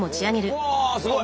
うわすごい！